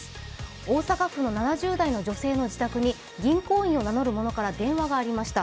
大阪府の７０代の女性の自宅に銀行員を名乗る者から電話がありました。